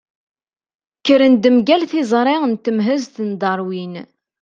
Kkren-d mgal tiẓri n temhezt n Darwin.